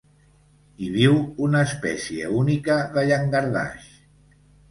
Hi viu una espècie única de llangardaix.